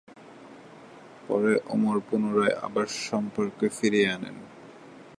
পরে উমর পুনরায় আবার সম্পর্ক ফিরিয়ে আনেন।